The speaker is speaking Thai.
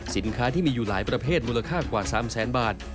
สินค้าที่มีอยู่หลายประเภทมูลค่ากว่า๓แสนบาท